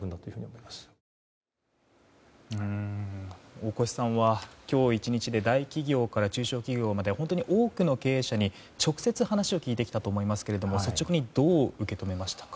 大越さんは、今日１日で大企業から中小企業まで本当に多くの経営者に直接話を聞いてきたと思いますけど率直にどう思いましたか。